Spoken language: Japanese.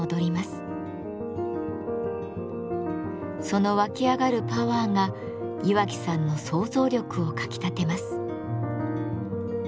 その沸き上がるパワーが岩木さんの想像力をかきたてます。